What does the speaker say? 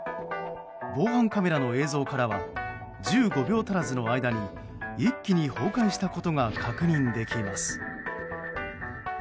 防犯カメラの映像からは１５秒足らずの間に一気に崩壊したことが確認できます。